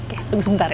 oke tunggu sebentar ya